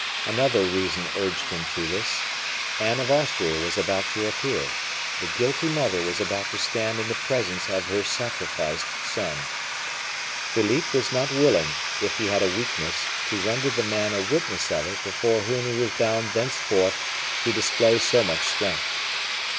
Another reason urged him to this Anne of Austria was about to appear; the guilty mother was about to stand in the presence of her sacrificed son. Philippe was not willing, if he had a weakness, to render the man a witness of it before whom he was bound thenceforth to display so much strength.